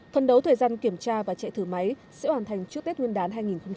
phần đấu thời gian kiểm tra và chạy thử máy sẽ hoàn thành trước tết nguyên đán hai nghìn hai mươi một